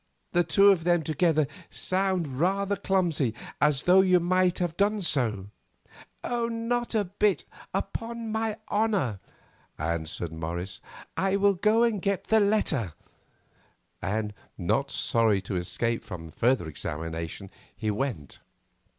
The two of them together sound rather clumsy, as though you might have done so." "Not a bit, upon my honour," answered Morris. "I will go and get the letter," and, not sorry to escape from further examination, he went.